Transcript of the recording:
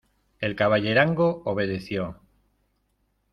el caballerango obedeció.